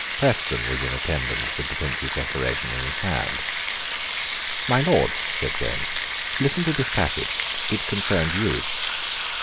Preston was in attendance with the Prince's Declaration in his hand. "My Lords," said James, "listen to this passage. It concerns you."